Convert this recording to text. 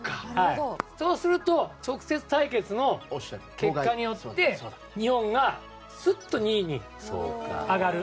そうすると直接対決の結果によって日本が、スッと２位に上がる。